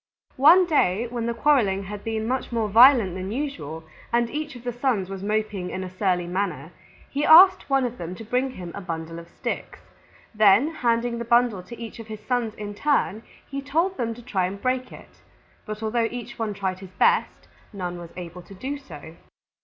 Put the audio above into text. One day when the quarreling had been much more violent than usual and each of the Sons was moping in a surly manner, he asked one of them to bring him a bundle of sticks. Then handing the bundle to each of his Sons in turn he told them to try to break it. But although each one tried his best, none was able to do so.